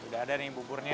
udah ada nih buburnya